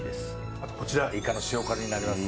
あとこちらいかの塩辛になります。